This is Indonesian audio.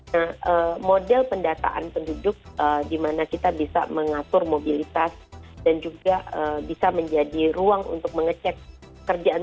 nah model pendataan penduduk di mana kita bisa mengatur mobilitas dan juga bisa menjadi ruang untuk mengecek kerjaan